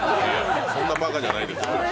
そんなばかじゃないですから。